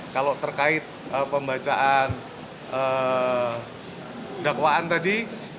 kalau terkait pembacaan dakwaan tadi